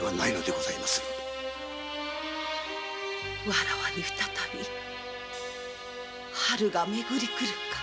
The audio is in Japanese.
わらわに再び春が巡り来るか。